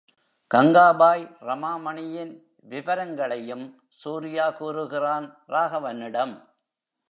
கங்காபாய் ரமாமணியின் விபரங்களையும் சூர்யா கூறுகிறான் ராகவனிடம்.